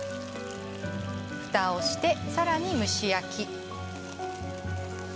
ふたをして、さらに蒸し焼き。